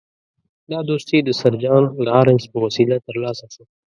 دا دوستي د سر جان لارنس په وسیله ترلاسه شوه.